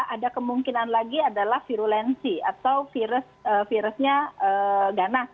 ada kemungkinan lagi adalah virulensi atau virusnya ganas